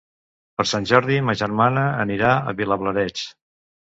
Per Sant Jordi ma germana anirà a Vilablareix.